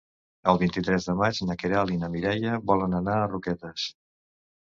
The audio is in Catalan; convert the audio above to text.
El vint-i-tres de maig na Queralt i na Mireia volen anar a Roquetes.